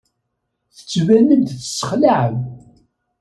Tettbanem-d tessexlaɛem.